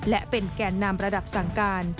และเป็นแก่นนำระดับสั่งการ